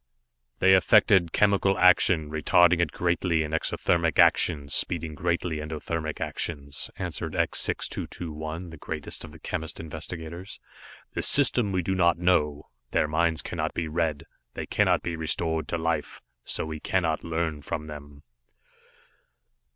"They affect chemical action, retarding it greatly in exothermic actions, speeding greatly endothermic actions," answered X 6221, the greatest of the chemist investigators. "The system we do not know. Their minds cannot be read, they cannot be restored to life, so we cannot learn from them."